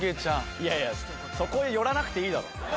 いやいやそこへ寄らなくていいだろ。